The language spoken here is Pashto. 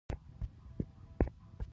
ټول سړي د يو بل د وينې وروڼه دي.